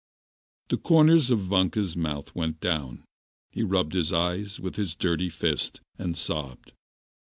The corners of Vanka's mouth went down, he rubbed his eyes with his dirty fist, and sobbed.